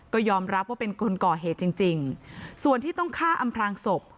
ก็ยอมรับว่าเป็นคนก่อเหตุจริงจริงส่วนที่ต้องฆ่าอำพลางศพ